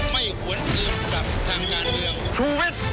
ไม่หวนเอียงกับทางงานเดียว